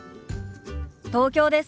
東京です。